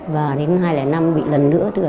và đến năm hai nghìn năm bị lần nữa